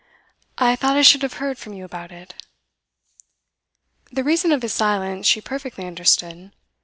'I thought I should have heard from you about it.' The reason of his silence she perfectly understood.